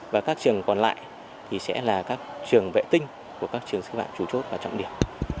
và các trường còn lại thì sẽ là các trường vệ tinh của các trường sư phạm chủ chốt và trọng điểm